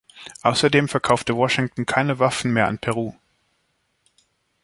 Außerdem verkaufte Washington keine Waffen mehr an Peru.